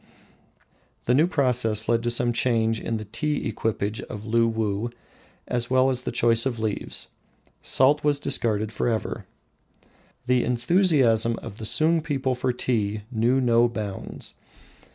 The new process led to some change in the tea equipage of Luwuh, as well as in the choice of leaves. Salt was discarded forever. The enthusiasm of the Sung people for tea knew no bounds.